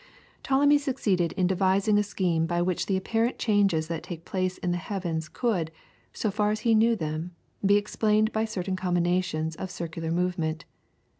Ptolemy succeeded in devising a scheme by which the apparent changes that take place in the heavens could, so far as he knew them, be explained by certain combinations of circular movement.